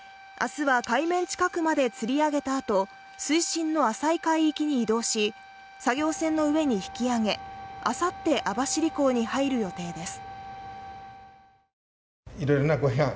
明日は海面近くまで釣り上げたあと水深の浅い海域に移動し作業船の上に引き上げあさって網走港に入る予定です